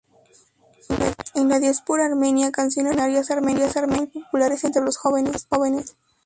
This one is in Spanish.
En la diáspora armenia, canciones revolucionarias armenias son muy populares entre los jóvenes.